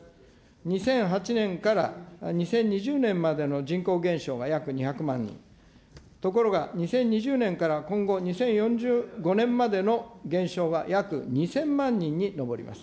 ２００８年から２０２０年までの人口減少が約２００万人、ところが２０２０年から今後２０４５年までの減少は約２０００万人に上ります。